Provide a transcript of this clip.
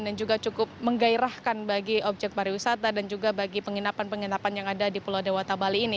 dan juga cukup menggairahkan bagi objek pariwisata dan juga bagi penginapan penginapan yang ada di pulau dewata bali ini